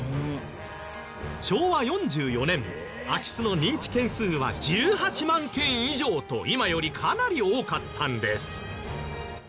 昭和４４年空き巣の認知件数は１８万件以上と今よりかなり多かったんです。